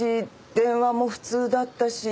電話も不通だったし。